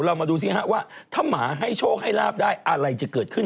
มาดูสิฮะว่าถ้าหมาให้โชคให้ลาบได้อะไรจะเกิดขึ้น